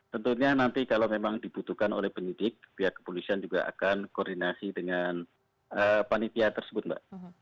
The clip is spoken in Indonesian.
tentunya nanti kalau memang dibutuhkan oleh penyidik pihak kepolisian juga akan koordinasi dengan panitia tersebut mbak